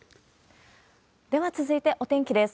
では続いて、お天気です。